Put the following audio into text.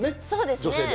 そうですね。